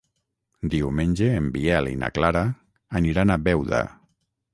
Diumenge en Biel i na Clara aniran a Beuda.